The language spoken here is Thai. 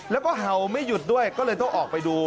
แล้วก็เห่าไม่หยุดด้วยก็เลยต้องออกไปดู